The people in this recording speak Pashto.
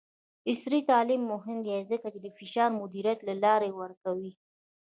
عصري تعلیم مهم دی ځکه چې د فشار مدیریت لارې ورکوي.